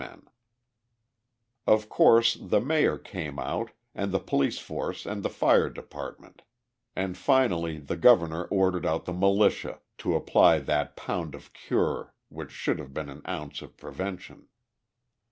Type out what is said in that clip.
Photograph by Sexton & Maxwell] Of course the Mayor came out, and the police force and the fire department, and finally the Governor ordered out the militia to apply that pound of cure which should have been an ounce of prevention.